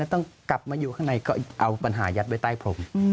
ต้องกลับมาอยู่ข้างในก็เอาปัญหายัดไว้ใต้พรม